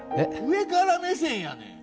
上から目線やねん